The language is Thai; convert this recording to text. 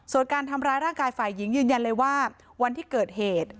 ส่วนการทำร้ายร่างกายฝ่ายหญิงยืนยันเลยว่าวันที่เกิดเหตุ